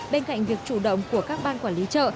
bên cạnh việc chủ động của các ban quản lý chợ